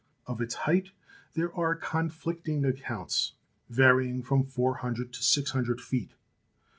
Of its height there are conflicting accounts, varying from four hundred to six hundred feet.